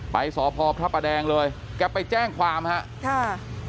ไปสอพพระประแดงเลยแกไปแจ้งความฮะจ้า